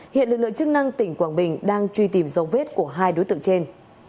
hiện lực lượng chức năng tỉnh quảng bình đang truy tìm dấu vết của hai đối tượng trên